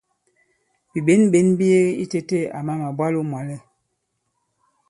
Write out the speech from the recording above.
Bìɓěnɓěn bi yege itēte àmà màbwalo mwàlɛ.